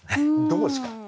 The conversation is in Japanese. どうですか？